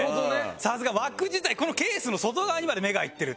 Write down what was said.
さすが！枠自体このケースの外側にまで目がいってる。